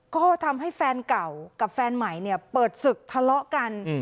ก็ทำให้แฟนเก่ากับแฟนใหม่เนี่ยเปิดศึกทะเลาะกัน